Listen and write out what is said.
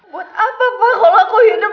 buat apa pak kalau aku hidup